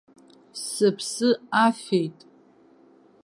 Сыԥсы афеит.